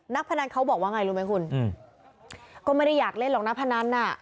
พนันเขาบอกว่าไงรู้ไหมคุณก็ไม่ได้อยากเล่นหรอกนักพนันน่ะ